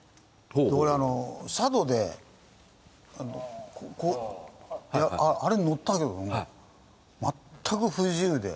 俺佐渡でこうあれ乗ったけども全く不自由で。